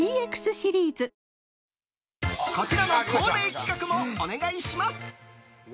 こちらの恒例企画もお願いします。